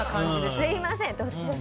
すみません。